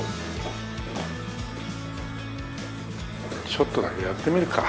ちょっとだけやってみるか。